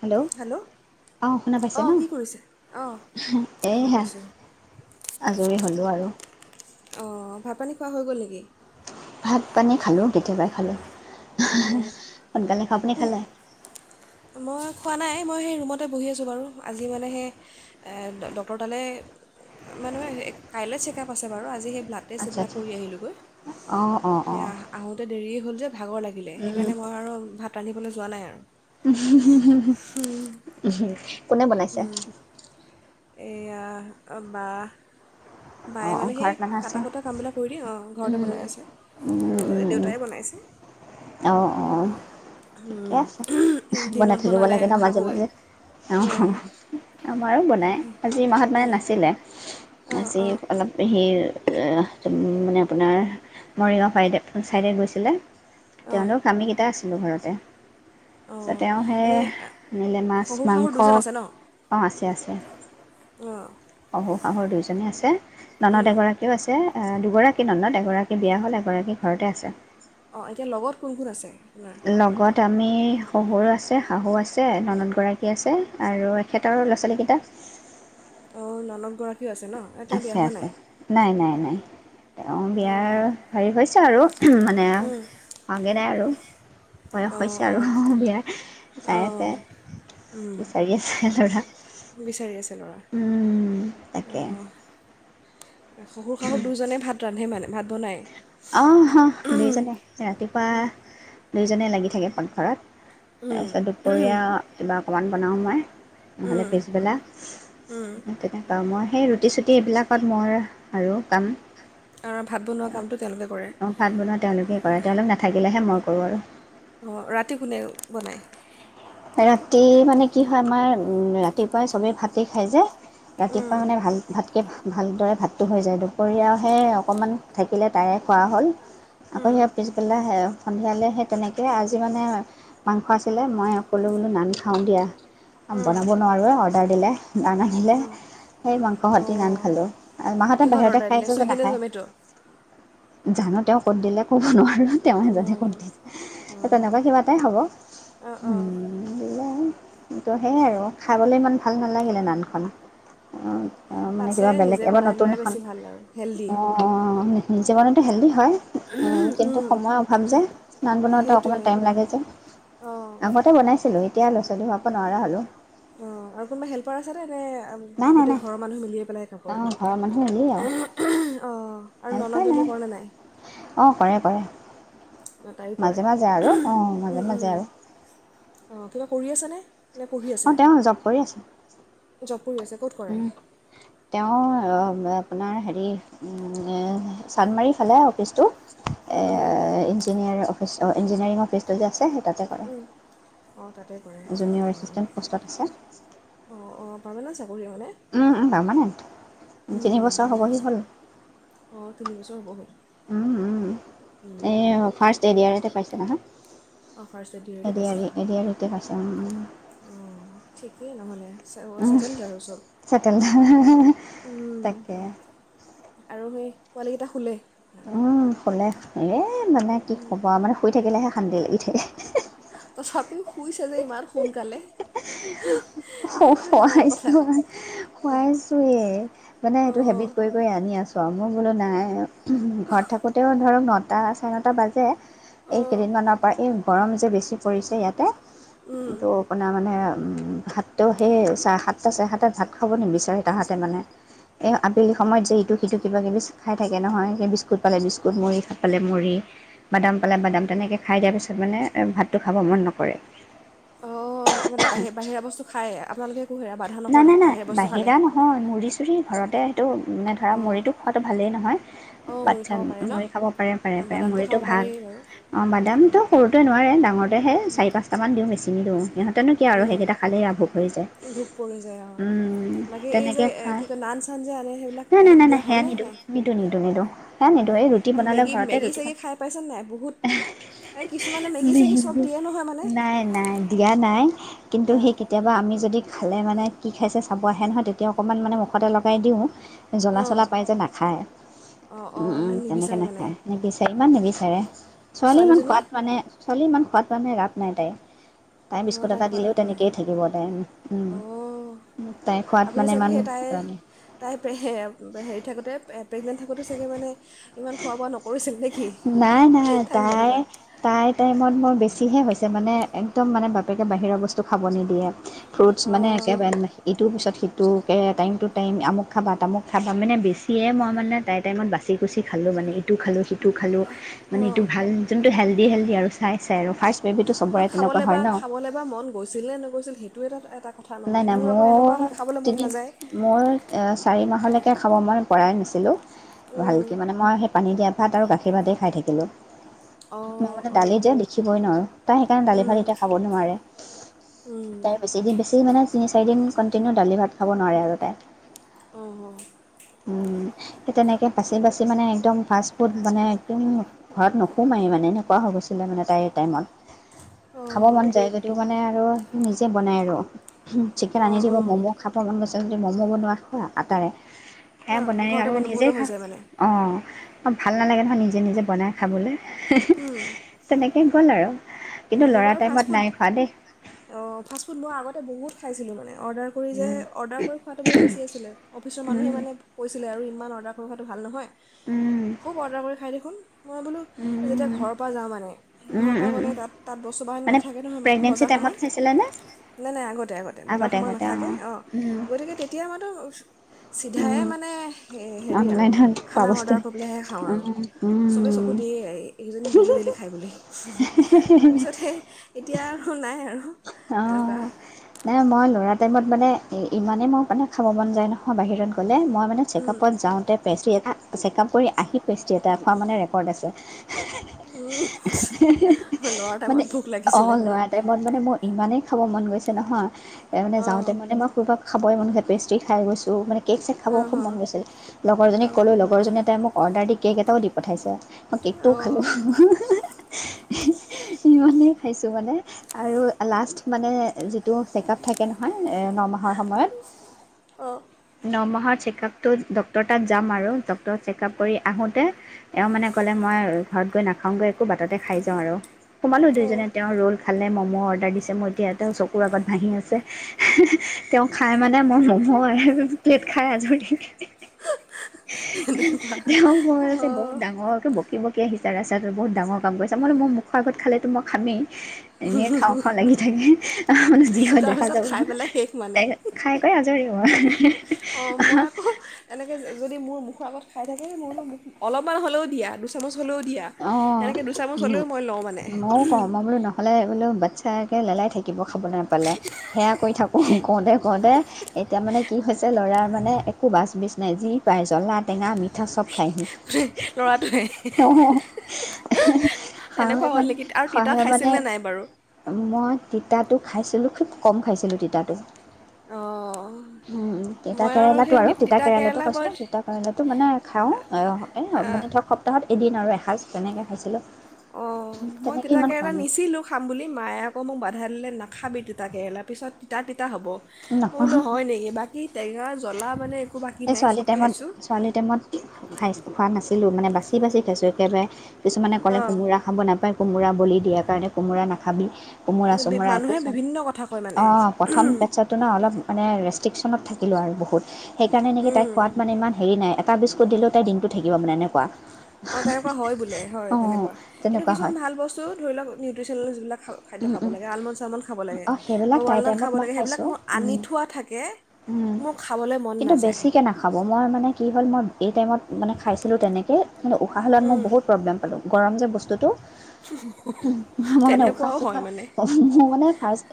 Hello অ শুনা পাইছে অঁ ন কি কৰিছে অঁ এই শুনা হ পাইছোঁ আজৰি হলে আৰু অ ভাত পানী খোৱা হৈ গল নেকি ভাত পানী খালো কেতিয়াবাই খালোঁ অঁ অঁ সোনকালে আপুনি খালে মই খোৱা নাই মই সেই ৰুমতে বহি আছোঁ বাৰু আজি মানে সেই ডক্টৰ তালৈ মানে কাইলৈ চেকআপ আছে বাৰু আজি সেই ব্লাড তাতে আচ্ছা চেইবিলাক আচ্ছা কৰি আহিলো গৈ অঁ অঁ অঁ আহোতে দেৰি হয় য ভাগৰ লাগিলে সেইকাৰণে মই আৰু ভাত ৰান্ধিবলৈ যোৱা নাই আৰু উ উম, [inaudible] উ ক বনাইছে এইয়া বাৰ অঁ বায়ে অঁ মানে সেই ঘৰত মানুহ আছে কটা কুটা কামবিলাক কৰি দিয় অঁ ঘৰতে বনাই আছে আৰু দেউতাই বনাইছে অঁ অঁ ঠিকে উম, আছে বনাই দিনত থাকিব বনালে লাগে ন মাজে শাহুৱে মাজে অহ অঁ মায়ো বনাই আজি মাহত নাই, বনাই নাছিলে অঁ সেই অঁ মানে আপোনাৰ মৰিগাঁও চাইডে গৈছিলে অঁ তেওঁলোক আমি কেইটা আছো। ঘৰতে পিচে অঁ তেওঁ সে এনেই নে মাছ শহুৰ শাহুৰ মাংস দুজন আছে ন অঁ আছে আছে অঁ উ। হব আগৰ দুয়োজনে আছে ননদ উম, এগৰাকীও আছে এ দুগৰাকী ননদ এগৰাকী বিয়া হ'ল এগৰাকী ঘৰতে আছে অঁ এতিয়া লগত কোন কোন আছে আপোনাৰ লগত আমি শহুৰো আছে শাহু আছে ননদগৰাকী আছে আৰু এখেতৰ ল'ৰা ছোৱালীকেইটা অঁ নানদ গৰাকী আছে আছে নাই নাই নাই উ তেওঁ অঁ বিয়াৰ হেৰি হৈছে আৰু উহম মানে উম, ভাগেই নাই আৰু বয়স অঁ হৈছে আৰু অঁ বিয়াৰ চাই অঁ আছে উম, বিচাৰি আছে দৰা বিচাৰি আছে ল'ৰা অ শহুৰ শাহুৰ দুইজনে ভাত ৰান্ধে মানে ভাত বনায়। আহ হয় দুই জনে ৰাতিপুৱা দুই যেনে লাগি থাকে পাকঘৰত উম, তাৰপিছত উম, দুপৰীয়া কিবা অকণমান বনাওঁ মই নহ'লে উম, পিছবেলা উম। তেনেকুৱা মই সেইটোত প্ৰতিশ্ৰুতি এইবিলাকত মই আৰু কাম আৰু ভাত বনোৱা কামটো তেওঁলো অ ভাত বনাৱা তেওঁলোকে কৰে তেওঁলোক নাথাকিলেহে মই কৰোঁ আৰু অঁ ৰাতি কোনে বনায়। ৰাতি মানে কি হয় আমাৰ উ ৰাতিপুৱাই চবেই ভাতে খাই যে। উম, ৰাতিপুৱা মানে ভাল ভাত। ভালদৰে ভাতটো হৈ যায় দুপৰীয়াহে অকণমান থাকিলে তাৰে খোৱা হ'ল। আকৌ উম, সেৱা পিছবেলা আহে সন্ধিয়ালৈ সেই তেনেকৈ আজি মানে মাংস আছিলে মই কলো বোলো নান খাওঁ দিয়া। উম, বনাব নোৱাৰো অৰ্ডাৰ দিলে নান আনিলে উম। সেই মাংস সতে নান অঁ খালোঁ মাহঁতে কিহত বাহিৰতে অৰ্ডাৰ খাই দিলে আহিছে যে চুইগি নে নাখায় জমেট' অঁ জানো তেওঁ ক'ত দিলে। ক'ব নোৱাৰোঁ তেওঁ এজনে কোন দিছে অঁ তেনেকুৱা কিবা এটাই হ'ব অঁ অঁ [unintelligible] তো সেয়াই আৰু খাবলৈ ইমান ভাল নালাগিলে নানখন অ মানে তাতছে কিবা বেলেগ নিজে এবাৰ বনাই নতুন লোৱাই এখন বেছি ভাল আৰু হেল্ডি অ। নিজমানে টো হেল্ডি হয় কিন্তু সময় অভাৱ যে নান বনাওঁতে অকণমান সেইটোৱে টাইম লাগে যে। অঁ বনাইছিলো এতিয়া ল'ৰা ছোৱালী হোৱা পৰা নোৱাৰা হ'লো অঁ আৰু কোনোবা হেল্পাৰ আছেনে নে নাই নাই গোটেই নাই ঘৰৰ মানুহে মিলিয়ে পেলাই কাপোৰ অঁ ঘৰৰ মানুহ হেৰি আৰু অঁ আৰু হেল্প কৰে ননদজনীয়ে কৰেনে নাই। অঁ কৰে কৰে। অঁ তায়ো কৰে মাজে মাজে আৰু অ উম, মাজে উম। মাজে আৰু অঁ কিবা কৰি আছেনে নে পঢ়ি অঁ তেওঁ জব কৰি আছে জব কৰি আছে ক'ত কৰে। উম তেওঁ আপোনাৰ হেৰি উ চানমাৰি ফালে অফিচটো উম, উম, ইঞ্জিনিয়াৰ অফ ইঞ্জিনিয়াৰিং অফিচটো যে আছে তাতে কৰে। উম। অঁ তাতে কৰে জুনিয়ৰ অঁ এচিষ্টেণ্ট পোষ্টত আছে অঁ অঁ পাৰমানেণ্ট চাকৰি মানে। উম পাৰ্মানেণ্ট উম। তিনিবছৰ হ'বহি হ'ল অঁ তিনি বছৰ হ'ব হ'ল উম উম উম। এই ফাৰ্ষ্ট এ ডি আৰ। তে পাইছে নহয়। অ' ফাৰ্ষ্ট দিওঁতে পাইছা ন অ অ ঠিকেই নহ'লে চেটেল আৰু চহ চটেল ধ তাকে পোৱালি কেইটা সোলে উম অকলে শুলে মানে কি ক'বা মানে শুই থাকিলে হে সানটি উঠে। তথাপিও শুইছে যে ইমান সোনকালে সেইটোৱে ডাঙৰ কথা খুৱাইছো অ', খুৱাইছোৱে মানে এইটো অ', হেবিট কৰি কৰি আনি আছো। তমু বোলো নাই অ ঘৰত থাকোঁতেও ধৰক ন তাৰ চাৰে আঠটা বাজে। এই অ', কেইদিনমানৰ পৰা এই গৰম যে বেছি পৰিছে ইয়াতে, উম। এইটো আপোনাৰ মানে ভাত তহতে সেহ চাৰে সাতটা চাৰে সাততে ভাত খাব নিবিচাৰে তাহাঁতে মানে, এই আবেলি সময়ত যে ইটো সিটো কিবা কিবি খাই থাকে নহয় বিস্কুট পালে বিস্কুট, মুৰি পালে মুৰি, বাদাম পালে বাদাম তেনেকৈ খাই দিয়াৰ পাছত মানে ভাতটো খাব মন নকৰে। অ মানে বাহিৰ বাহিৰা বস্তু খাই আপোনালোকে একো হেৰা বাধা না নকৰে না না বস্তু খালে? বাহিৰা নহয় মুৰি চুৰি ঘৰত তো ধৰা অ', মুৰিটো খোৱাটো ভালেই নহয়, অ', মুড়ি বাচ্ছা খাব পাৰে ন? মুৰি খাব পাৰে পাৰে পাৰে বাদামটো খাব মুৰিটো পাৰি ভাল বাৰু বাদামটো সৰুটোৱে নোৱাৰে ডাঙৰটোৱেহে চাৰি পাঁচটামান দিওঁ বেছি দিওঁ। তেনে কি আৰু উম, সেইকেইটা খালেই আভুক হৈ যায়। ধূপ অ পৰি উম, বাকী এই যে তেনেকৈ খায় কি কয় নান চান যে আনে সেইবিলাক নাই নাই নাই দিয়া নাই হয় সেয়া নে নিদিওঁ নাই নিদিওঁ নিদিওঁ নিদিওঁ সেয়া নিদিওঁ এই ৰুটি অ বনালে মেগী ঘৰতে মেগী ৰুটি চেগী বন- খাই পাইছে নাই বহুত, এই কিছুমানে মেগী চেগী চব দিয়ে নহয় মানে নাই নাই দিয়া নাই কিন্তু অ', সেই কেতিয়াবা আমি যদি খালে মানে কি খাইছে চাব আহে নহয়, তেতিয়া অকণমান মানে মুখতে লগাই দিওঁ। জ্বলা অ', চলা পায় যে নাখায়। অ', অ', ইমান তেনেকে নিবিচাৰে মানে নাখায় মেগী চেগ ইমান নিবিচাৰে ছোৱালী ইমান খোৱাত ছোৱালীজনীয়ে মানে ছোৱালী ইমান খোয়াদ মানহে ৰাভ নাই তাই তাই অঁ বিস্কুট এটা খোৱা দিলেও তাত তেনেকে থাকিব তাই ওম অ আপুনি চাগে সেই তাই তাই হেৰি থাকোতেই প্ৰেগনেণ্ট থাকোঁ তুমি চাগে মানে ইমান খোৱা বোৱা নকৰিছিলা নেকি নাই নাই থাইক যেনেকুৱা হে হৈছে মানে একদম মানে বাপেকে বাহিৰৰ বস্তু খাব নিদিয়ে ফ্ৰুটছ মানে অঁ একেবাৰে ইটোৰ পিছত সিটো টোকে টাইম টু টাইম আমুক খাবা তামুক খাবা মানে বেছিয়ে মই মানে তাই টাইমত বাচি কুচি খালোঁ মানে এইটো খালো সেইটো এইটো খালো মানে অঁ এইটো ভাল যে হেল্দি হেল্দি আৰু চাই চাই আৰু ফাৰ্ষ্ট বেবীটো অ চবৰে তেনেকুৱা খাবলে হয় বা ন। খাবলে বা মন গৈছিল নে নগৈছিল সেইটো এটা কথা নাই নহয় নাই আকৌ মোৰ এনেকুৱা হয় খাবলৈ মন তিনি নাযায় মোৰ এ চাৰি মাহ নোহোৱালৈকে খাব মই পৰাই নাছিলোঁ উম ভালকে মানে মই সেই পানী দিয়াত ভাত আৰু গাখীৰ ভাতেই খাই থাকিলোঁ মই অঁ মানে দালি অঁ যে দেখিবই নোৱাৰো তাই সেইকাৰণে দালি ভাল উম এতিয়া খাব নোৱাৰে উম তাই বেছি দিন বেছি সেই মানে তিনি চাৰিদিন কণ্টিনিউ দালি ভাত খাব নোৱাৰে আৰু যাতে আহ হ সেই তেনেকৈ বাচি বাচি মানে একদম ফাষ্ট ফুত বনাই একদম ঘৰত নোসোমায় মানে এনেকুৱা হৈ গৈছিলে মানে তাইৰ টাইমত খাব মন অঁ যায় গতিকে মানে আৰু নিজে বনাই আৰু চিকেন আনি অঁ দিব অঁ ম'ম' খাব ত যদি ম'ম' বনোৱা খোৱা আটাৰে সি অঁ বনাই ঘৰতে আৰু বন নিজে বনোৱা হৈ খায় যায় মানে অ অ ভাল নালাগে নহয় নিজে নিজে বনাই খাবলৈ তেনেকে ক'ল আৰু [unintelligible] কিন্তু মোৰ ল'ৰা বাৰু টাইমত ফাষ্টফুড নাই খোৱা অ ফাষ্টফুড মই আগতে বহুত খাইছিলো মানে অৰ্ডাৰ কৰি যে অৰ্ডাৰ কৰি খোৱাটো বহুত বেছি আছিলে অফিচৰ মানুহে দেই মানে কৈছিলে আৰু ইমান অৰ্ডাৰ কৰিবটো ভাল নহয় উম, খুব অৰ্ডাৰ কৰি খায় দেখোন মই বোলো উম, যেতিয়া উম, ঘৰ প যাব মানে উম, ঘৰৰ পৰা উম, গ'লে তাত মই মানে নাথাকে নহয় প্ৰেগনেঞ্চি বজাৰ টাইমত সময়ত খাইছিলেনে? নাই নাই আগত বজাৰ আগতে সমাৰ আগতে অ, নাথাকে অঁ উম, গৈ থাকে তেতিয়া মাতো উম, চিধাই মানে সেই হেৰি আৰু অনলাইনত পোৱা খানা বস্তু অৰ্ডাৰ কৰিবলৈহে খাওঁ উম, আৰু চবেই চকু উম, দিয়ে এইজন ডেলি দেলি খাই বুলি হু হু তাৰপিছতে এতিয়া আৰু নাই আৰু অ এনেকুৱা নাই মই লৰা টাইমত মানে ইমানেই মোৰ মানে খাব মন যায় নহয় বাহিৰত গ'লে মই মানে চেকআপত যাওঁতে [inaudible] চেকআপ কৰি আহি পেষ্ট্ৰী এটা খোৱা মানে ৰেকৰ্ড আছে হে হে হে ল'ৰা মানে টাইমত ভোক অ লাগিছিলে মানে লোৱা টাইমত মানে মোৰ ইমানেই খাব মন গৈছে নহয় ত মানে অঁ যাওঁতে মানে মই ক'ৰবাক খাবই মন হেপেষ্ট ৰুটি খাই গৈছোঁ মানে কে'ক চেক খাবও অঁ খুব অঁ মন গৈছিল লগৰজনীক ক'লো লগৰজনী তাই মোক অৰ্ডাৰ দি কেক এটাও দি পঠাইছে অ কেকটোও অঁ অঁ খালো [unintelligible] [unintelligible] ইমানেই খাইছোঁ মানে আৰু লাষ্ট মানে যিটো চেকআপ থাকে নহয় নমাহৰ সময়ত অঁ নমাহৰ চেকআপটো ডক্তৰ তাত যাম আৰু ডক্তৰ চেকআপ কৰি আহোঁতে এওঁ মানে ক'লে মই ঘৰত গৈ নাখাওঁগৈ একো বাটতে খাই যাওঁ আৰু সোমালো অঁ দুইজনে তেওঁৰ ৰোল খালে মম মৰ অৰ্ডাৰ দিছে মই এতিয়া তেওঁ চকুৰ আগত ভহি আছে হেহে তেওঁ খাই মানে মই [unintelligible] খাই আজৰি হিহি এনেকুৱা যাওঁ মই যে বহুত অঁ ডাঙৰকে ব বকি বকি আহিছে ৰাস্তাটো বহু ডাঙৰ কাম কৰিছা মই বুলো মোৰ মুখৰ আগত খালেতো মই খামেই উ হু হু নি থাকে‌‌ মানে যি হলেও দেখা যাব ন খাই পেলাই শেষ খাই কয় আজৰি অ হে হে হে অ মই আকৌ এনেকে যদি মোৰ মুখৰ আগত খাই থাকে মই বোলো মোক অলপমান হ'লেও দিয়া দুচামুচ হ'লেও দিয়া অ সেনেকৈ দুচামুচ উ হ'লেও মই লওঁ মানে মইও কওঁ মই বোলো নহলে বোলো বাচ্ছা তাকে লেলাই থাকিব খাব নাপালে সেয়া কৰি থাকোঁ কওঁতে কওঁতে এতিয়া মানে কি হৈছে ল'ৰাৰ মানে একো বাচ বিজ নাই যি পায় জ্বলা টেঙা মিঠা চব খায় সি লৰাটোৱে‌‌ হে হে হে এহ হে হে শাহুৱ মানে নেকি আৰু তিতা শাহুৱে মানে খাইছিলনে নাই বাৰু মই তিতাটো খাইছিলোঁ খুব কম খাইছিলোঁ তিতাটো অঁ উম তিতা মই কেৰেলাতটো সেই আৰু তি তিতা কেৰেলাতো কেৰেলা কৈছো বৰ তিতা কেৰেলাতটো মানে খাও মানে ধৰক সপ্তাহত এদিন মই এসাঁজ তেনেকৈ খাইছিলোঁ অ মই তেনেকৈ ইমান খোৱা তিতাকেৰেলা নাই নিছিলো খাম বুলি মায়ে আকৌ মোক বাধা দিলে ন খাবি তিতা কেৰেলা পিছত তিতা এ হ'ব মই নহয় বোলো হয় নেকি বাকী টেঙা জ্বলা মানে একো বাকী এই নাই ছোৱালী চব টাইমত খাইছোঁ ছোৱালীৰ টাইমত খাই খোৱা নাছিল খাইছিলো‌‌ মানে বাচি বাচি খাইছো একেবাৰে কিছুমানে ক'লে অঁ কোমোৰা খাব নাপায় কোমোৰা বলি দিয়াৰ কাৰণে কোমোৰা নাখাই খাবি কোমোৰা চোমোৰা একো মানুহে বিভিন্ন কথা কয় অ মানে প্ৰথম বচছাটো ন অলপ মানে ৰেষ্ট্ৰিকচনত থাকিলো আৰু বহুত সেইকাৰণে তাইক খোৱাত মানে ইমান হেৰি এটা বিস্কুট দিলেও তাই দিনটো থাকিব মানে এনেকুৱা অ তেনেকুৱা হয় বোলে হয় অঁ তেনেকুৱা কিন্তু তেনেকুৱা কিছুমান হয় ভাল বস্তু ধৰি লওক লোচেন লোজ বিলাক খাদ্য খাব লাগে আলমন চালমন খাব লাগে অঁ বা সেইবিলাক তাই ৱালনাট টাইমত খাব মই লাগে সেইবিলাক খাইছোঁ মোৰ আনি থোৱা থাকে মোৰ খাবলৈ মন কিন্তু নাযায় বেছিকৈ নাখাব মই মানে কি হ'ল মই এই টাইমত মানে খাইছিলোঁ তেনেকৈ কিন্তু উশাহ লোৱাত মই উম, বহুত প্ৰব্লেম পালো গৰম যে বস্তুতটো মই মানে উশাহ তেনেকুৱাও হয় মানে মোৰ মানে ফাৰ্ষ্ট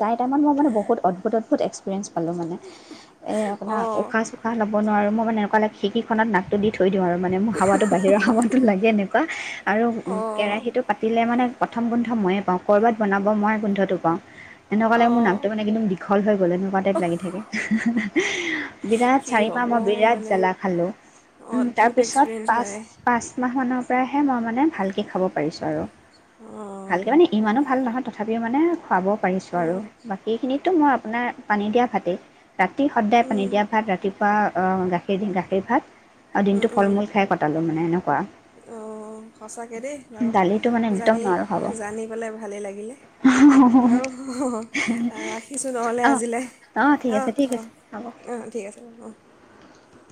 তাইৰ টাইমত মই মানে ব অদ্ভূত অদ্ভূত এস্কপিৰিয়েঞ্চ পালো মানে এই আপুনাৰ অঁ উসাহ চুখা বনোৱা আৰু মই মানে অকলে খিৰিকীখনত নাকটো দি থৈ দিওঁ আৰু মানে মোৰ হাৱাটো বাহিৰৰ হাৱাটো লাগে এনেকুৱা আৰু অঁ কেৰাহীটো পাতিলে মানে প্ৰথম বন্ধ ময়েই পাওঁ ক'ৰবাত বনাব মই গোন্ধটো পাওঁ এনেকুৱা লাগে মোৰ অঁ নামটো মানে একদম দীঘল হৈ গ'ল এনেকুৱা টাইপ লাগি থাকে বিৰাট কি চাৰি মাহ হ'ব মই বিৰাট মানে জ্বালা খালো উম তাৰ অদ্ভুত পিছত এক্সপিৰিয়েঞ্চ পাঁচ মানে পাঁচ মাহ মানৰ প্ৰায়হে মই মানে ভালকৈ খাব পাৰিছোঁ আৰু ভালকে অঁ মানে ইমানো ভাল নহয় তথাপিও মানে খুৱাব পাৰিছোঁ আৰু অঁ বাকীখিনিত টো মই আপোনাৰ পানী দিয়া ভাতে ৰাতি সদায় উম পানী দিয়া ভাত ৰাতিপুৱা গাখীৰ দি গাখীৰ ভাত আৰু উম দিনটো ফল উম মূল খাই কটালো মানে অঁ সঁচাকৈ দেই বাৰু এনেকুৱা দালিটো মানে একদম জানি নোৱাৰো খাব জানি পেলাই ভালেই লাগিলে বাৰু ৰাখিছোঁ নহ'লে অঁ আজিলৈ ঠিক অঁ আছে ঠিক অঁ আছে হ'ব অঁ ঠিক আছে বাৰু অঁ